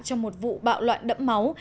trong một vụ bạo loạn đẫm máu